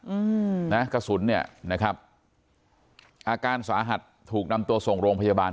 อืมนะกระสุนเนี่ยนะครับอาการสาหัสถูกนำตัวส่งโรงพยาบาล